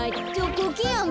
コケヤン。